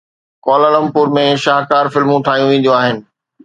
Kuala Lumpur ۾ شاهڪار فلمون ٺاهيون وينديون آهن.